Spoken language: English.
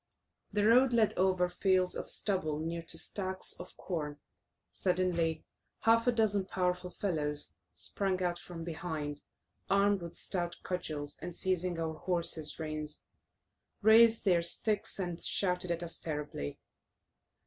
The road led over fields of stubble near to stacks of corn. Suddenly half a dozen powerful fellows sprung out from behind, armed with stout cudgels, and seizing our horses' reins, raised their sticks, and shouted at us terribly.